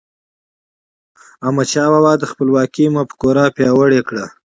احمدشاه بابا د خپلواکی مفکوره پیاوړې کړه.